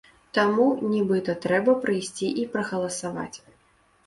Таму, нібыта, трэба прыйсці і прагаласаваць.